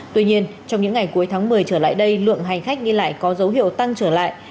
tuy nhiên trong những ngày cuối tháng một mươi trở lại đây lượng hành khách đi lại có dấu hiệu tăng trở lại